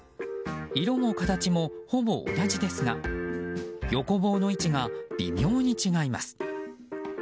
色も形もほぼ同じですが横棒の位置が微妙に違います。